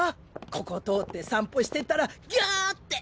ここを通って散歩してたら「ギャ」って。